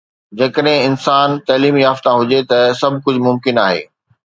جيڪڏهن انسان تعليم يافته هجي ته سڀ ڪجهه ممڪن آهي